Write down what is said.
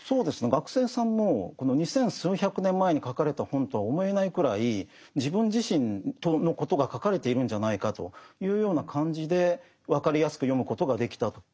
学生さんも二千数百年前に書かれた本とは思えないくらい自分自身のことが書かれているんじゃないかというような感じで分かりやすく読むことができたと。